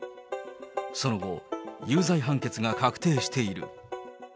その後、有罪判決が確定している。